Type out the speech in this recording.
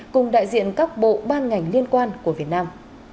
cùng đại diện các bộ ban ngành liên quan của việt nam